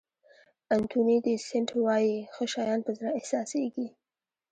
انتوني دي سېنټ وایي ښه شیان په زړه احساسېږي.